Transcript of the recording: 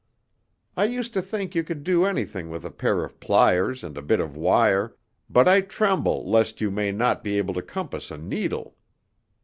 I used to think you could do anything with a pair of pliers and a bit of wire, but I tremble lest you may not be able to compass a needle."